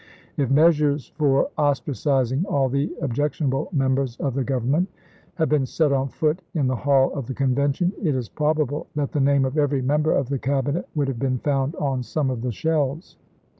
If measures for os tracizing all the objectionable members of the Gov ernment had been set on foot in the hall of the Convention, it is probable that the name of every member of the Cabinet would have been found on some of the shells.